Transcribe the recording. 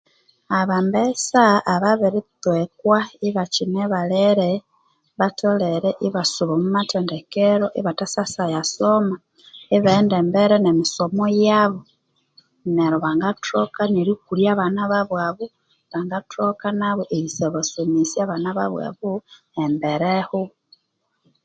Abambesa ababiri twekwa ibakine balere batholere ibasuba omwa mathendekero ibathathasyayasoma ibaghenda embere ne misomo yabo, neryo bangathoka nerikulya abana babo abo bangathoka nabo erisabasomesya abana babo abo embere ho.